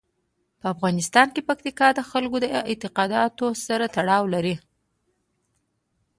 په افغانستان کې پکتیکا د خلکو د اعتقاداتو سره تړاو لري.